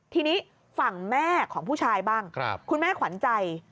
ทีนี้ฝั่งแม่ของผู้ชายบ้างคุณแม่ขวัญใจ